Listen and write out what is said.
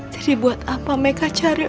jadi buat apa meka cari